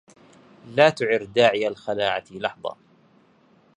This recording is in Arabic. لا تعر داعي الخلاعة لحظا